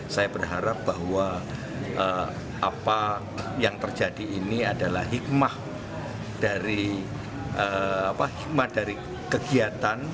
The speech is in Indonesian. saya berharap bahwa apa yang terjadi ini adalah hikmah dari hikmat dari kegiatan